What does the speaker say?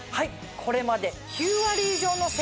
これまで。